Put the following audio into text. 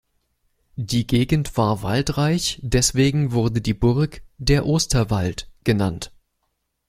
Die Gegend war waldreich, deshalb wurde die Burg „der Osterwald“ genannt.